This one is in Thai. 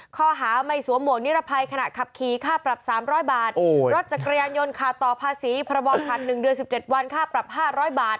ข้อหาไม่สวมหมวกนิรภัยขณะขับขี่ค่าปรับ๓๐๐บาทรถจักรยานยนต์ขาดต่อภาษีพรบคัน๑เดือน๑๗วันค่าปรับ๕๐๐บาท